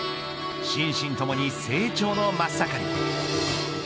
心身ともに成長の真っ盛り。